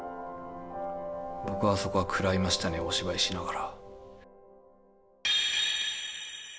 僕はそこは食らいましたねお芝居しながら。